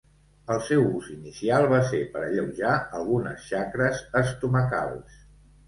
El seu ús inicial va ser per alleujar algunes xacres estomacals.